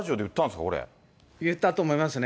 言ったと思いますね。